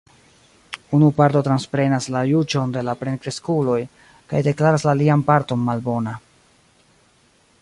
Unu parto transprenas la juĝon de la plenkreskuloj kaj deklaras la alian parton malbona.